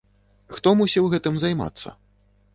Хто мусіў гэтым займацца?